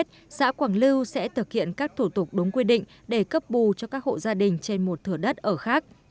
theo cam kết xã quảng lưu sẽ thực hiện các thủ tục đúng quy định để cấp bù cho các hộ gia đình trên một thửa đất ở khác